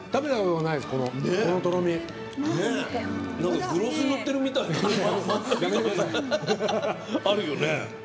なんかグロス塗ってるみたいな感じがあるよね。